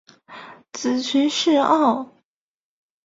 子荀逝敖。